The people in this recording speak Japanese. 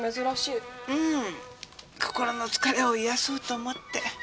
うん心の疲れを癒やそうと思って。